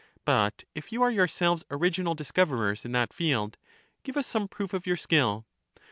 But if you are yourselves original discoverers in that field, give us some proof of your skill.